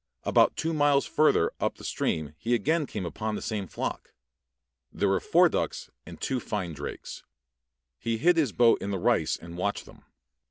About two miles further up the stream he again came upon the same flock. There were four ducks and two fine drakes. He hid his boat in the rice and watched them.